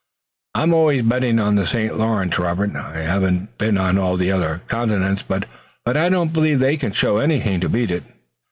I'm always betting on the St. Lawrence, Robert. I haven't been on all the other continents, but I don't believe they can show anything to beat it."